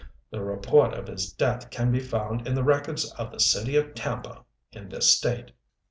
The report of his death can be found in the records of the city of Tampa, in this state.